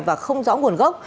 và không rõ nguồn gốc